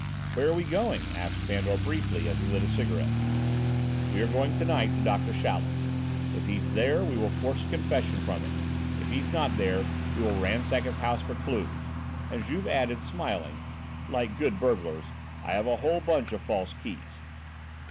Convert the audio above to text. "Where are we going?" asked Fandor briefly, as he lit a cigarette. "We are going to night to Doctor Chaleck's. If he's there we will force a confession from him; if he's not there, we will ransack his house for clues," and Juve added, smiling, "like good burglars. I have a whole bunch of false keys.